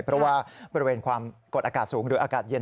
เพราะว่าบริเวณความกดอากาศสูงหรืออากาศเย็น